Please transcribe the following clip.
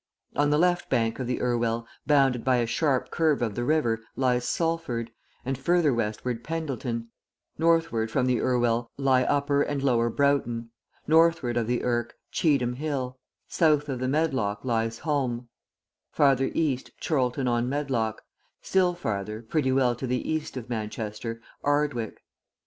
On the left bank of the Irwell, bounded by a sharp curve of the river, lies Salford, and farther westward Pendleton; northward from the Irwell lie Upper and Lower Broughton; northward of the Irk, Cheetham Hill; south of the Medlock lies Hulme; farther east Chorlton on Medlock; still farther, pretty well to the east of Manchester, Ardwick.